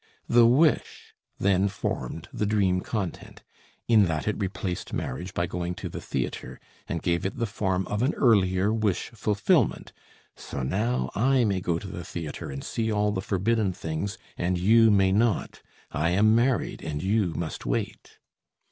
The wish then formed the dream content, in that it replaced marriage by going to the theatre, and gave it the form of an earlier wish fulfillment: "so now I may go to the theatre and see all the forbidden things, and you may not. I am married and you must wait."